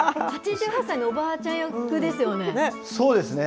８８歳のおばあちゃん役ですよね？